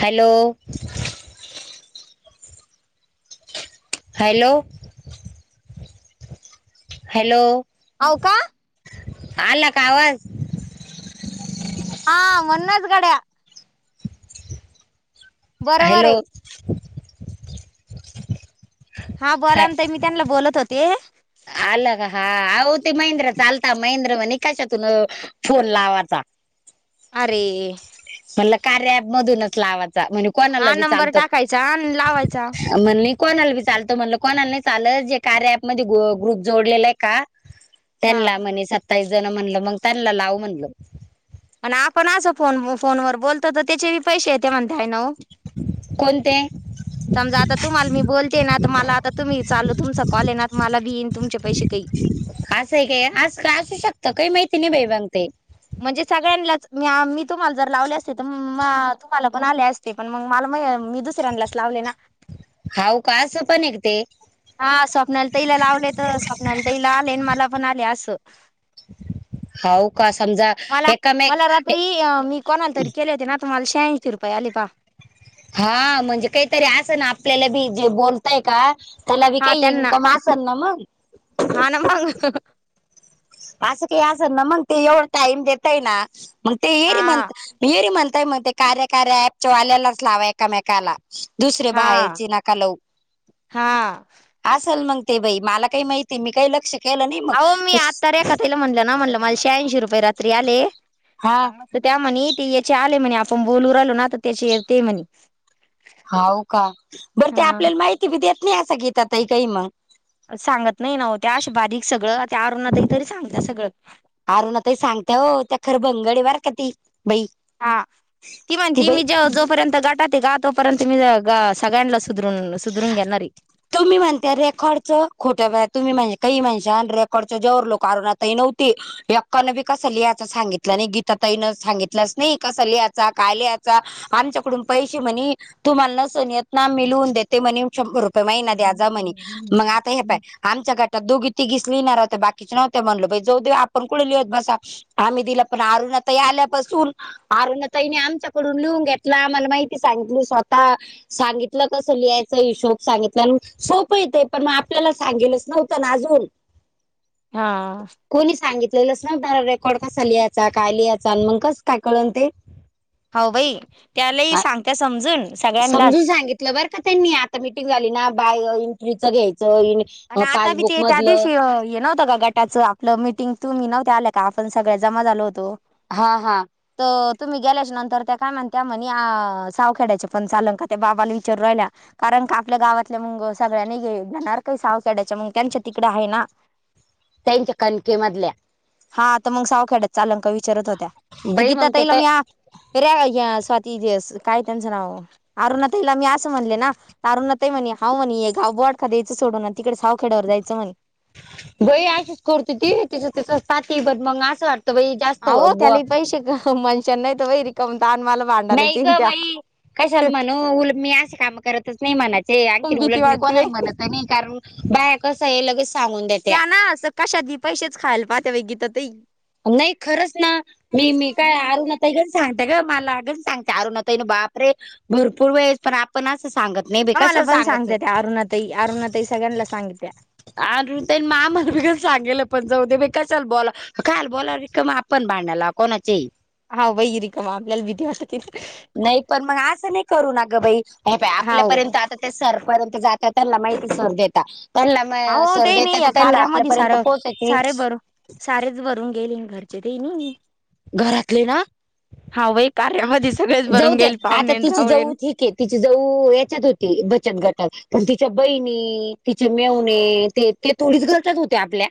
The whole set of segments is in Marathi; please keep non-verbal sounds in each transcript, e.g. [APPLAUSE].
हॅलो. Hello hello. होओ का? आला का आवाज? हा म्हणूनच गड्या. बरोबर हॅलो. आहे हा बोलाना ताई मी त्यांना बोलत होते आलं हा आओ ते महिंद्र चा आलता महिंद्र नाईका निकाशातून फोन लावाचा. अरे. म्हण कार्या ऍप मधूनच लावायचा म्हने हा नंबर टाकायचा आणि लावायचा. म्हणली कोणाला बी चालतो म्हणलं कोणाला नाही चाल जे कार्या ऍपमध्ये गु ग्रुप जोडलेला ये का हा त्यांना म्हणे सत्तावीस जण म्हणल मग त्यांना लाव म्हणल. आणि आपण असं फोन फोनवर बोलतो तर त्याचे पैसे येत म्हणता ना ओ. कोणते. समजा आता तुम्हाला मी बोलते ना मला आता तुम्ही चालू तुमचा कॉल ये ना मला बीईन तुमचे पैसे ते. [UNINTELLIGIBLE] असू शकतो काय मैहिती नाही बाई मला ते. म्हणजे सगळ्यांनाच मी तुम्हाला जर लावले असते तर तुम्हाला पण आले असते पण मग मला मी दुसऱ्यानाच लावले ना? हाव का असं पण एक ते हा स्वप्नाला ताईला लावले तर स्वप्नाला ताईला आले आणि मला पण आले असं हाऊ का समजा मला मला एकामेक रात्री मी कोणाला तरी केले होते ना तर मला शहाऐंशी रुपये आले पाहा हा म्हणजे काहीतरी असं ना आपल्याला बी जे बोलतय का त्याला बी हा काही त्यांना इन्कम असेल ना मग हा न म असं काही असं ना मग ते एवढं टाईम देतय ना मग ते हा येरी म्हणत मी येरी म्हणताय मग ते कार्य कार्य ऍपच्या वाल्यालाच लावा एकामेकाला दुसर्या हा बाहेरचे नका लाऊ हा असाल मग ते बाई मला काही माहिती नाही मी काही लक्ष केलं नाही अहो मी मग आत्ता रेका ताईला म्हटलं ना म्हटलं माझ शहाऐंशी रुपये रात्री आले हा तर त्या म्हणे ते याचे आले म्हणे आपण बोलू राहिलो ना तर त्याचे ते म्हणे. होऊ का बरं ते हा आपल्याला माहिती बी देत नाही असं घेत तही काही मग सांगत नाही ना वो त्या अशी बारीक सगळं त्या अरुणातही तरी सांगतात सगळं. अरुण ताई सांगते वो त्या खरं भंगड आहे बरं का ती बाई. हा की ती म्हणती बाई मी ज जोपर्यंत गटात ग तोपर्यंत मी गा सगळ्यांनाच सुधरून सुधरून घेणारे तुम्ही म्हणता रेकॉर्ड चं खोट्या वे तुम्ही म्हण काही माणसा आणि रेकॉड च जेवर लो कारण आता नव्हते यकानं बी कसं लिहायच सांगितलं नाही गीता ताईन सांगितलंच नाही कसं लिहायचा काय लिहायचा आमच्याकडून पैसे म्हणे तुम्हाला नसन येत नाम्ी लवून देते म्हणे शंभर रुपय महिना द्या ज म्हणे मग आता हे पाय आमच्या घटात दोघी तिघीच लिहिणार हो्या बाकीच नव्हत म्हणल जऊ दे आपण कु लिहत बसा आम्ही दिला पण अरुना ताई आल्यापासून अरुणा ताईने आमच्याकडून लिहून घेतला आम्हाला माहिती सांगितली स्वतः सांगितलं कसं लिहायचं हिशोब सांगितलं आणि सोपं येते पण मग आपल्याला सांगेलच नव्हत आ जून हा कोणी सांगितलेलंस नव्हतं ना रेकॉर्ड कसा लिहायचा काय लिहायचा आणि मग कस काय कळल ते हो भाई त्यालाही सांगत समजून सगळ्यांनाच समजून सांगितलं बरं का त्यांनी आता मीटिंग झाली ना बाय एंट्रीचं घ्यायचं आणि आता वि पासबुक ते त्या मधलं दिवशी हे नव्हतं का गट त्याचं आपलं मिटिंग तुम्ही नव्हते आलं का आपण सगळ्या जमा झालो होतो हा हा तर तुम्ही गेल्याच्या नंतर त्या काय म्हण त्या म्हणे सावखेड्याचे पण चाल का त्या बाबाला विचारू राहिल्या कारण का आपल्या गावातल्या मुंग सगळ्यांनी घणार काही सावखेड्याच्या मग ते त्याच्या तिकडे आहे ना त्यांच्या कणके मधल्या हात मग सावखेड्यातल्या चालते का विचारत होत्या तर बाई गीता मग ताईला ते मी रे या स्वाती दिस काय त्यांचं नाव अरुण ताईला मी असं म्हणले ना अरुना ताई म्हणे हा म्हणेे गाव बोडखा सोडून ना तिकडे सावखेड्यावर जायचं म्ह बई अशीच करत ती तिचं ती पाहाती ब मग असं वाटतं बा अ त्यालाही पैसे का मनशां नाही तर वैरी कामता मला भांडायलाच नाही येईन का त्या बाई कशाला म्हणू उलट मी असे काम करतच नाही म्हणायचे आणंखीन भीती उलट मी वाटते बाई कोणाला म्हणत नाही कारण बाय कसं हे लगेच सांगून देत त्या ना अस कशात बी पैसेच खायला पाहते बाई गीता ताई नाही खरंच ना मी मी काय अरुना ताई ग सांगते का मला गंज सांगते अरुना ता ईन बापरे भरपूर वेळेस पण आपण असं सांगत नाही बे आम्हाला कशाला पण सांगायचं सांगते त्या अरुणा ताई अरुणा ताई सगळ्यांना सांगत्या अ त्यांनी मा मध्ये बघ सांगेलं पण जाऊ दे बा कशाला बोला खाल बोला विक्रम आपण बांडाला कोणाचे हा वई रिकमआपल्याला भीती वाटत त नाही पण मग असं नाही करू ना ग बाई हे हाव आपल्यापर्यंत आता ते सरपर्यंत जातात त्यांना माहिती सर देतात त्यांला म अहो ते सर्दी येत नाही या तर त्यांला कार्यामध्ये आपल्यापर्यंत सारं पोहोचायची सारे भरून सारेच भरून गेले घरचे ते नाही घरातले ना हा भाई कार्यामध्येध सगळेच जाऊ भरून दे गेईल आता पाहुणेन तिची जाऊ रावळेन ठीक आहे तिची जाऊ याच्यात होती बचत गटात पण तिच्या बहिणी तिचे मेवणे ते ते थोडीच गटात होते आपल्या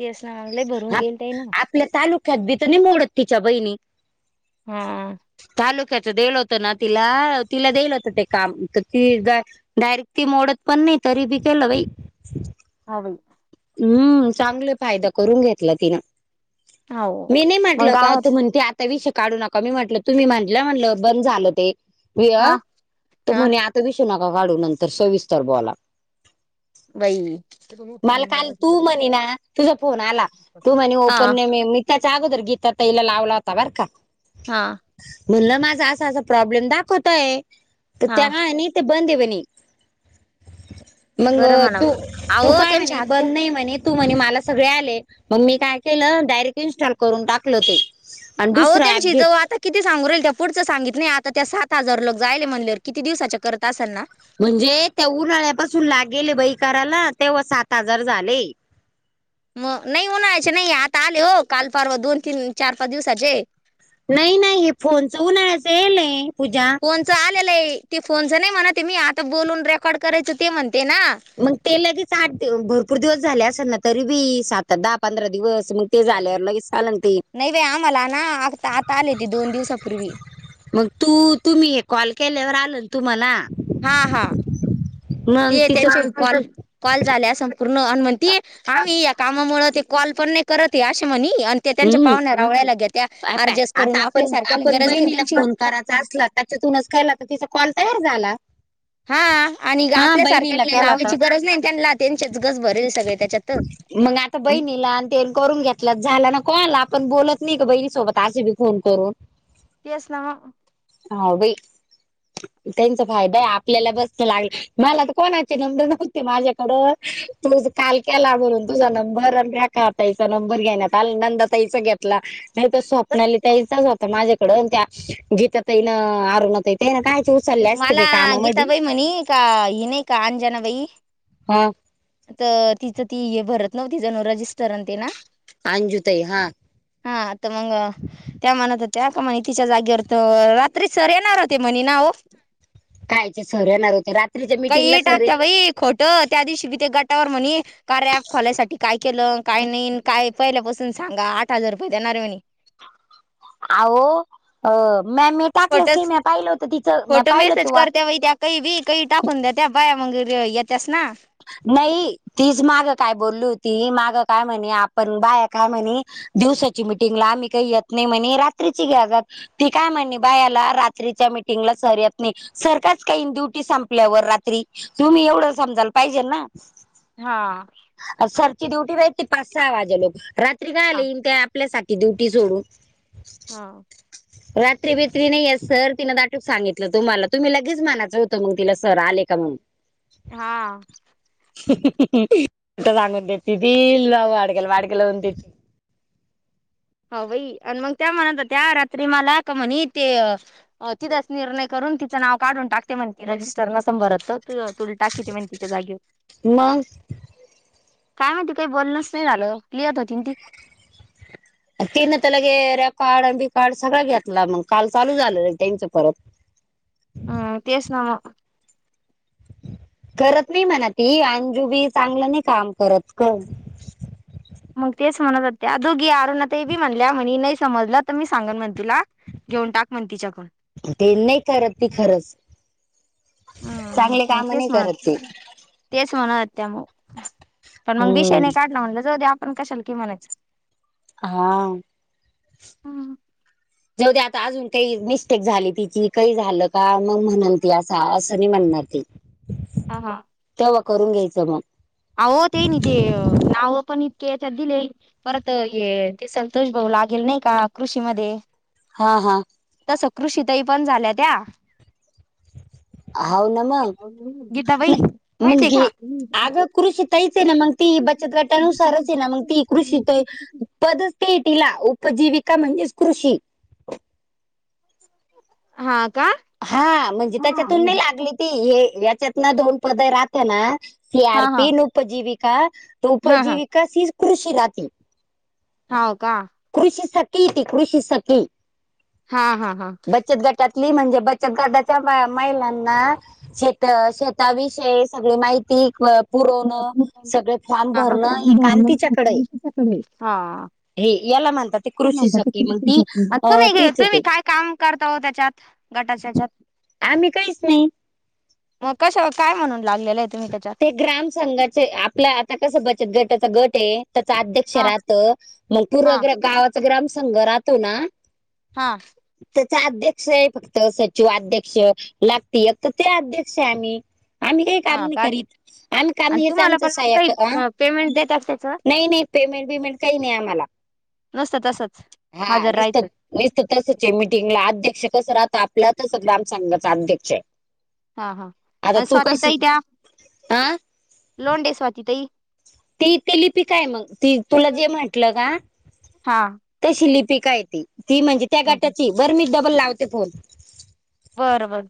तीस ना आमलाही भरून गेलत ना आपल्या तालुक्यात बी तर मोडत तिच्या बहिणी हा तालुक्याच देल होतं ना तिला तिला देल होतं ते काम तर ती डायरेक्ट ती मोडत पण नाही तरी बी केलं बाई आई हम्म चांगले फायदा करून घेतला तिनं हो मी नाही मग म्हटल कात गावात म्हणती आता विष काढू नका मी म्हटलं तुम्ही म्हटलं म्हटलं बंद झालं ते वि हा हा म्हणे विशू नका काढू नंतर सोविस्तर बोला बई मला काल तू म्हणे ना तुझा फोन आला तू म्हणे हा ओपन नाही म मी चागोर गीतााता इला लावल होता बर का हा म्हण माझा अस अस प्रॉब्लेम दाखवतय तर त्या हा का बंद आहे म्हणे मग बरं म्हणाव तू तू अहो काय त्यांच्या म्हणे हात बंद नाही म्हणे तू म्हणे मला सगळे आले मग मी काय केलं डायरेक्ट इन्स्टॉल करून टाकल ते आणि अहो दुसरं ऍप त्यांची घेत जाऊ किती सांगू राहील त्या पुढं सांगित नाही आता त्या सात हजार लोक जायले म्हणलेवर किती दिवसाच्या करत असाल ना म्हणजे त्या उन्हाळ्यापासून लागेले बईकाराला तेव्हा सात हजार झाले मग नाही उणायचे नाही आता आले हो काल परवा दोन तीन चार पाच दिवसाचे नाही नाही हे फोनच उनचं येलय पूजा फोनच आलेलं आहे ते फोनचं नाही म्हणाते मी आता बोलून रेकॉर्ड करायचो ते म्हणते ना मग ते लगेच आठ भरपूर दिवस झाले असेल ना तरी बी सात दहा पंधरा दिवस मग ते झाल्यावर लगेच आलं ते नाही बाई आम्हाला ना आता आता आले ते दोन दिवसापूर्वी मग तू तुम्ही कॉल केल्यावर आल ना तुम्हाला हा हा मग ते तिचं त्यांच्या कॉल कॉल झाल्या संपूर्ण अनुमनती हा या कामामुळे ते कॉल पण नाही करत असं म्हणे त्यांच्या हम्म पाहुण्या आवळ्याला घ्या त्या आता अडजस्ट करून आता आपल्या आपण सारख्याला आपण गरज नाही बहिणीला त्यांची फोन करायचा असला त्याच्यातूनच खायला तर तिचा कॉल तयार झाला हा आणि हा बहिणीला आपल्यासारख्यांना केला लावायची तर गरज नाही त्यांना त्यांचेच गज भरेल सगळे त्याच्यात मग आता बहिणीला आणि ते करून घेतलं झालं ना कल आपण बोलत नाही का बहिणीसोबत आजे बी फोन करून तेच ना मग हा बाई त्यांचा फायदा आहे आपल्याला बसं लागला मला तर कोणाचे नंबर नव्हते माझ्याकडं तु काल केला म्हणून तुझा नंबर आणि काका आतााईचा नंबर घेण्यात आ नंदतााईचा घ्या नाही तर स्वप्नाली त्या इचाच होता माझ्याकड त्या गीतात ना आरण ते ना कायच उचलले असते प मला कामामध्ये गीताबाई म्हणे का इणे काजन व हो. तर तिचं ती हे भरत नव्ह ति जण रजिस्टरनते ना. अंजुताई हा हा तर मग त्या म्हणत होत्या का म्हणे तिच्या जागेवर तर रात्री सर येणार होते म्हणी ना हो कायच सर्याणार होते रात्रीच्या मिटिंगला काही सर टाकत्या बाई खोट त्या दिवशी किथे गटावर म्हणे. का र ॲप खोलायसाठी काय केलं काय नाही काय पहिल्यापासून सांगा आठ हजार रुपये देणार मणे अह म मी टाकलंच की खोटंच म पाहिलं होत तिचं म खोटं पाहिलं मेसेज ते्हा करत्या बाई त्या काही वी काही टाकून द्या त्या्या बाया वगैरे येत्यास ना. नाही तीच माग काय बोलली होती मागं काय म्हणे आपण बाया काय म्हणे. दिवसाची मिटिंगला आम्ही काही येत नाही म्हणे रात्रीची घ्या जात ती काय म्हणणी बायाला रात्रीच्या मीटिंगला सहर्यात नाही सरखच काही ड्युटी संपल्यावर रात्री तुम्ही एवढं समजाल पाहिजे ना हा सरची ड्युटी भेट ते पाच स आवाजे लोक रात्री काय हा आले ते आपल्यासाठी ड्युटी सोडून हा [INAUDIBLE] रात्री बित्री नाही या सर तिन दाटूक सांगितलं तुम्हाला तुम्ही लगेच म्हनायचं होतं मग तिला सर आले का म्हग हा सांगून त्या तिथील बाव वाडक्याला वाडक्या लावन त्या ह बाई आणि मग त्या म्हणत त्या रात्री मला का म्हणे ते तिथंच निर्णय करून तिचं नाव काढून टाकते म्हणते रजिस्टर नसंभरत त तुला टाकी त म्ह तिच्या जागेवर मग काय माती काही बोलणच नाही झालं लिहत होती ती तेन त्याला गे रॅप कार्ड आणि बी कार्ड सगळां घेतला मग काल चालू झालं टमचं परत हम् तेसना ना करत नाही म्हणा ती अंजूबी चांगलं नाही काम करत कर मग तेच म्हणतात त्या दोघी अरुण ते बी म्हणल्या म्हणे नाही समजलं तर मी सांगन म्हणे तुला घेऊन टाक मग तिच्याकडून ते नाही करत ती खरंच हम चांगले मग काम नाही केस मात करत ती. तेच म्हणत त्या मग पण मग विषय हम्म. नाही काढला म्हणलं ज पण कशाला की म्हणायचं हा. जेवढे आता अजून काही मिस्टेक झाली तिची काही झालं का मग म्हणल ती असं असं नाहीी म्हणणार ती ह. ह हा. तेव्हा करून घ्यायचं मग अ हो तेन ते नाव पण इतके याच्यात दिले. परत ये ते सलंतोष भाऊ लागेल नाही का कृषी मध्ये हा हा. आता सकृ शितही पण झाल्या त्या हाव ना मग गीता भाईही मग क घे ह. अगं कृषी तहीच आहे ना मग ती बचत गटानुसारच आहे ना मग ती कृषी प टीला उपजीविका म्हणजेच कृषी हा का? हा म्हणजे हा त्याच्यातून नाही लागली ती हे याच्यात ना दोन पद राहते ना सी आर हा हा पी न उपजीविका हा उपजीविका सी कृषी नाात हव का... ृषि सखी ते कृषी सखी हा हा हा बचत गट... त्यातली म्हणजे बन ददाच्या महिलांना.. शेत शेताविषयी सगळी माहिती. पुरवणं सगळे फॉर्म भरणं हे काम तिच्याकडे आहे. म्ह मी घ हे याला म्हणतात ते कृषी सखी मग ती अ तीच मी येते काय [UNINTELLIGIBLE] काम करत हो त्याच्यात गटाच्या त्याच्यात. आम्ही काहीच नाही मग कशा काय म्हणून लागलेलं आहे तुम्ही त्याच्या. ते ग्राम संघाचे आपला आता कस बचत गटाचा गट आहे. त्याच अध्यक्ष हा राहत मग पूर् हा गावाचा ग्राम संंघ राहतो ना. हा. त्याचा अध्यक्ष आहे फक्त सचिव अध्यक्ष लागते आता ते अध्यक्ष आहे आम्ही आम्ही काही कार हा नाही का करीत. आम्ही काम आणि हेच तुम्हाला आमचं पण मग सहाय्यक अ काही पेमेंट देतात त्याच... नाही नाही पेमेंट बिमेंट काही नाही आम्हाला नसत तसच हाजर राहायचंच. नसत तसच आहे मीटिंगला अध्यक्ष कसं राहतं आपल्या तच गम सांगायच अध्यक्ष. हा हा आणि स्वाती ताई त्या [UNINTELLIGIBLE] लोंडे स्वाती तई. ती ते लिपी काय मग ती तुला जे म्हटल का. हा तशी लिपिका य ती ती म्हणजे त्या गाटाची बर मी डबल लावते फोन. बरं बर.